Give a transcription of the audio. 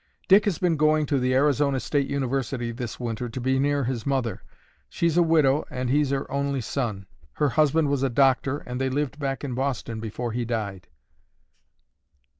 "Dick has been going to the Arizona State University this winter to be near his mother. She's a widow and he's her only son. Her husband was a doctor and they lived back in Boston before he died."